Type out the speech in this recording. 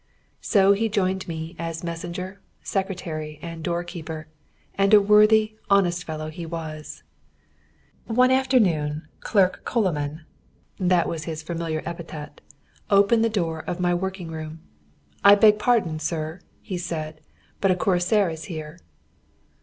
So he joined me as messenger, secretary, and door keeper, and a worthy, honest fellow he was. [Footnote 89: i.e., during the war.] One afternoon "clerk Coloman" (that was his familiar epithet) opened the door of my working room. "I beg pardon, sir," said he, "but a cuirassier is here."